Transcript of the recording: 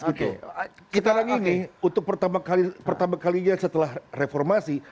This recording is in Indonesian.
sekarang ini untuk pertama kalinya setelah reformasi